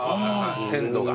鮮度が。